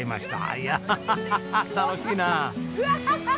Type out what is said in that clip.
いやあ楽しいなあ。